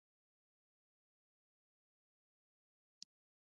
بزگر سره تبر و.